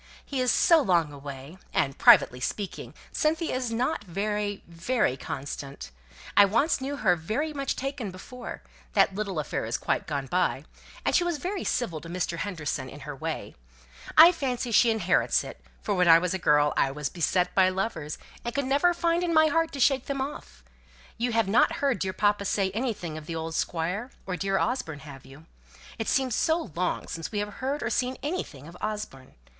He is so long away, and, privately speaking, Cynthia is not very, very constant. I once knew her very much taken before that little affair is quite gone by; and she was very civil to Mr. Henderson, in her way; I fancy she inherits it, for when I was a girl I was beset by lovers, and could never find in my heart to shake them off. You have not heard dear papa say anything of the old Squire, or dear Osborne, have you? It seems so long since we have heard or seen anything of Osborne.